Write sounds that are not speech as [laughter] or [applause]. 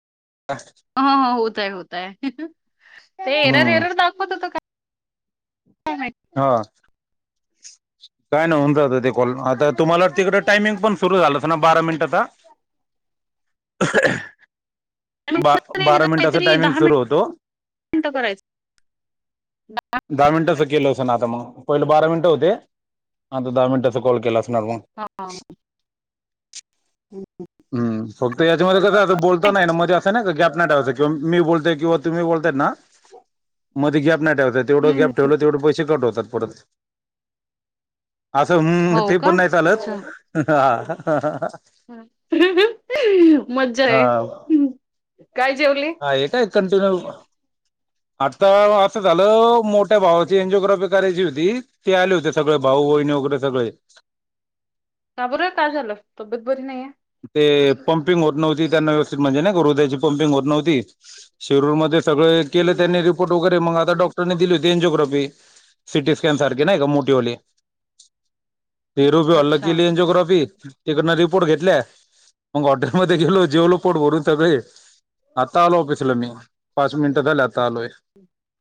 काय ह ह होतय होतय ते एरर हम्म एरर दाखवत होत काय. माहिती हो काय नाही होऊन जात ते. आता तुम्हाला तिकड टायमिंग पण सुरु झालं असेल ना बारा मिनटचा. [unintelligible] आणि बा नंतर नाही बारा तिथं मिनिटाचा काहीतरी टायमिंग दहा सुरू होतो. मिनिट करायचं [unintelligible] दहा मिनिटाचं करायचं. केलं असं ना आता? मग पहिलं बारा मिनटं होते. आता दहा मिनिटाचा कॉल केला असणार मग. हा हा. हम्, फक्त याच्यामध्ये कसं असं बोलता नाही ना, म्हणे असं नाही का गॅप नाही ठेवायचं. किंवा मी बोलतेय, किंवा तुम्ही बोलताय ना. मध्ये गॅप नाही ठेवायचं. तेवढं हम्म. गॅप ठेवलं तेवढे पैसे कट होतात परत. असं हम्म हम्म हो ते का पण नाही अच्छा चालत हा. मज्जा आहे. काय जेवली? हे काय कंटिन्यू. आता असं झालं, मोठ्या भावाची एनजिओग्राफी करायची होती. ते आले होते सगळे भाऊ, बहिणी वगैरे सगळे. का बरं काय झालं, तब्येत बरी नईये. ते पंपिंग होत नव्हती त्यांना व्यवस्थित म्हणजे ना, हृदयाची पंपिंग होत नव्हती शिरूरमध्ये सगळ केलं हम्म. त्यांनी रीप् फोटो वगैरे मंग आता डॉक्टरनी दिली होती. एंजिओग्राफी, सिटी स्कॅन सारखी नाई का, मोठीेवाली. ते रुपेव लं केली अच्छा एनजओग्राफी, तिकडनं रिपोर्ट घेतल्या मंग हॉटेलमध्ये गेलो. जेवलो पोट भरून सगळे. आता आलो, ऑफिसला मी पाच मिनटं झाली आता आलोय.